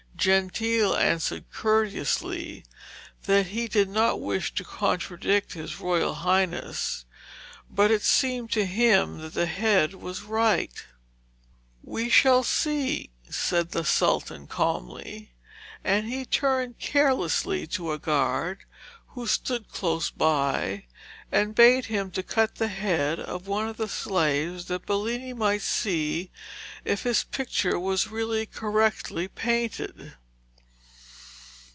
Gentile answered courteously that he did not wish to contradict his royal highness, but it seemed to him that the head was right. 'We shall see,' said the Sultan calmly, and he turned carelessly to a guard who stood close by and bade him cut of the head of one of the slaves, that Bellini might see if his picture was really correctly painted.